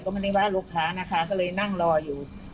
ก็ไม่ได้ว่าลูกค้านะคะก็เลยนั่งรออยู่